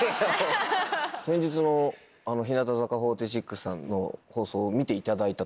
先日の日向坂４６さんの放送を見ていただいたとか？